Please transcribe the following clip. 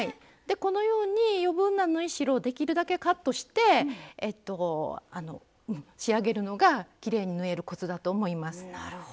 このように余分な縫い代をできるだけカットして仕上げるのがきれいに縫えるコツだと思います。